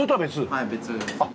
はい別です。